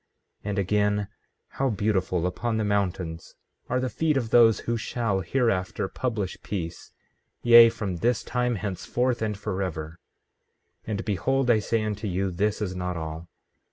15:17 And again, how beautiful upon the mountains are the feet of those who shall hereafter publish peace, yea, from this time henceforth and forever! 15:18 And behold, I say unto you, this is not all.